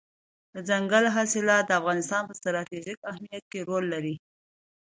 دځنګل حاصلات د افغانستان په ستراتیژیک اهمیت کې رول لري.